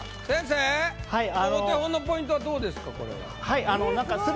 先生お手本のポイントはどうですか？